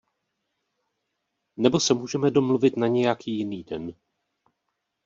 Nebo se můžeme domluvit na nějaký jiný den.